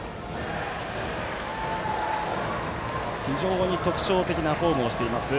非常に特徴的なフォームをしています